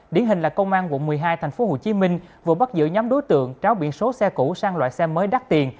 điển hình là công an quận một mươi hai tp hcm vừa bắt giữ nhóm đối tượng tráo biển số xe cũ sang loại xe mới đắt tiền